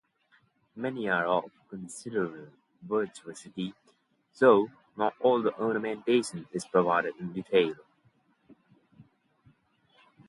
Many are of considerable virtuosity, though not all the ornamentation is provided in detail.